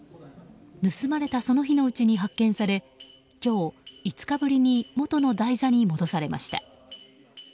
盗まれたその日のうちに発見され、今日５日ぶりにもとの台座に戻されました。